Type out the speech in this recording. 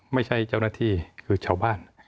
ไม่ใช่เจ้าหน้าที่คือชาวบ้าน